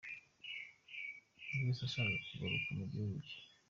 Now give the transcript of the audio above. Buri wese yashakaga kugaruka mu gihugu cye.